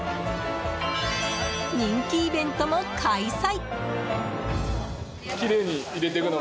人気イベントも開催！